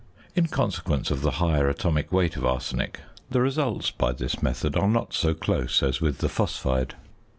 In consequence of the higher atomic weight of arsenic the results by this method are not so close as with the phosphide.